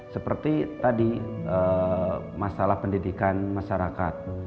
seperti tadi masalah pendidikan masyarakat